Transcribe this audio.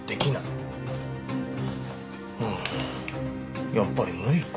うーんやっぱり無理か。